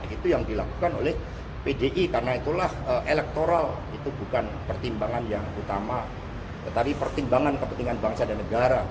itu yang dilakukan oleh pdi karena itulah elektoral itu bukan pertimbangan yang utama tetapi pertimbangan kepentingan bangsa dan negara